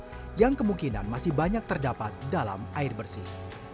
air yang kemungkinan masih banyak terdapat dalam air bersih